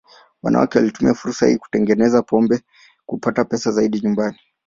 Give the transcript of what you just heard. Wanawake walitumia fursa ya kutengeneza pombe kupata pesa zaidi nyumbani.